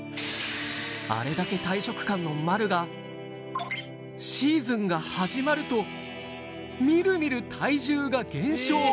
あれだけ大食漢の丸が、シーズンが始まると、みるみる体重が減少。